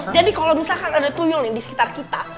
jadi kalau misalkan ada tuyung di sekitar kita